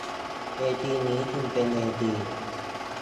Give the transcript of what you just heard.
เวทีนี้จึงเป็นเวที